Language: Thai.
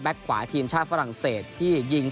ขวาทีมชาติฝรั่งเศสที่ยิง